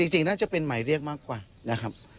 จริงน่าจะเป็นหมายเรียกมากกว่านะครับ